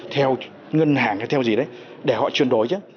theo ngân hàng hay theo gì đấy để họ truyền đổi chứ